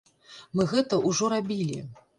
Мы гэта ўжо рабілі.